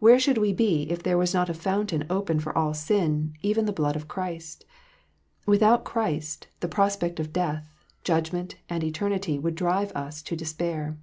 Where should we be if there was not a Fountain open for all sin, even the blood of Christ ? Without Christ, the prospect of death, judgment, and eternity would drive us to despair.